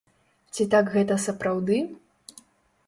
Ці так гэта сапраўды?